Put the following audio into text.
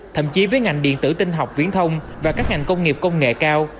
thậm chí với ngành điện tử tinh học viễn thông và các ngành công nghiệp công nghệ cao